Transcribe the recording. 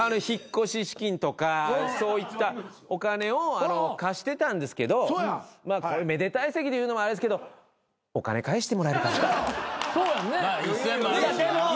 引っ越し資金とかそういったお金を貸してたんですけどめでたい席で言うのもあれですけどお金返してもらえるかな。